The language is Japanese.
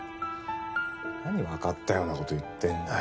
何わかったような事言ってんだよ。